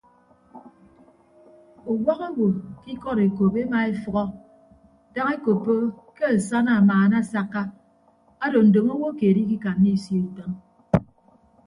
Uwak owo ke ikọd ekop ema efʌhọ daña ekoppo ke asana amaana asakka ado ndomo owo keed ikikanna isio itañ.